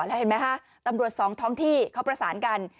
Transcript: แล้วเห็นไหมฮะตำรวจสองท้องที่เขาประสานกัน